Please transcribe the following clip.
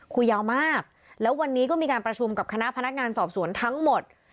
คุยยาวมากแล้ววันนี้ก็มีการประชุมกับคณะพนักงานสอบสวนทั้งหมด